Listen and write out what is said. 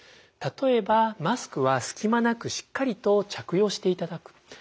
例えばマスクは隙間なくしっかりと着用していただく。